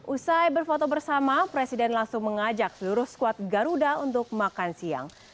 usai berfoto bersama presiden langsung mengajak seluruh squad garuda untuk makan siang